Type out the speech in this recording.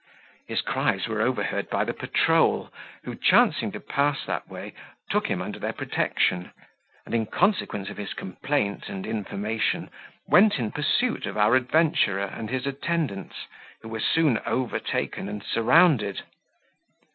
His cries were overheard by the patrol, who, chancing to pass that way, took him under their protection, and, in consequence of his complaint and information, went in pursuit of our adventurer and his attendants, who were soon overtaken and surrounded.